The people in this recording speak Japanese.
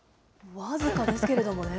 僅かですけれどもね。